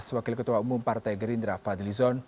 wakil ketua umum partai gerindra fadli zon